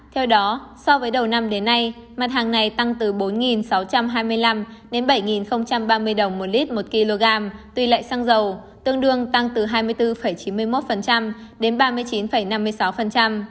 theo đó so với đầu năm đến nay mặt hàng này tăng từ bốn sáu trăm hai mươi năm đến bảy ba mươi đồng một lít một kg tùy loại xăng dầu tương đương tăng từ hai mươi bốn chín mươi một đến ba mươi chín năm mươi sáu